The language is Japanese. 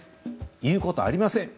言うことはありません。